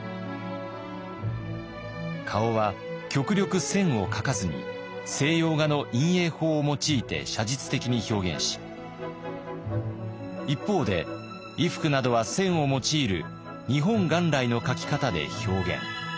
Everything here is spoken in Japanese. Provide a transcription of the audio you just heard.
顔は極力線を描かずに西洋画の陰影法を用いて写実的に表現し一方で衣服などは線を用いる日本元来の描き方で表現。